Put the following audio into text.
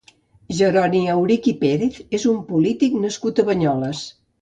Jeroni Aurich i Pérez és un polític nascut a Banyoles.